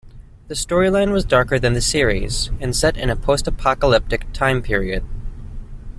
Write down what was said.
The storyline was darker than the series, and set in a post-apocalyptic time period.